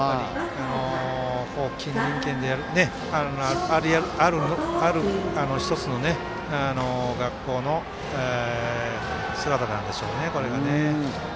隣県である１つの学校の姿なんでしょうね、これがね。